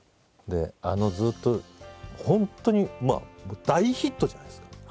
あのずっと本当に大ヒットじゃないですか。